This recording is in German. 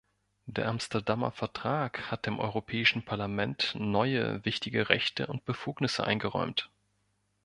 Der Amsterdamer Vertrag hat dem Europäischen Parlament neue wichtige Rechte und Befugnisse eingeräumt.